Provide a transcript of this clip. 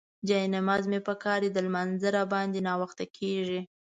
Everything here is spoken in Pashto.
جاینماز مې پکار دی، د لمانځه راباندې ناوخته کيږي.